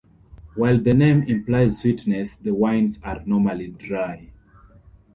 While the name implies sweetness, the wines are normally dry.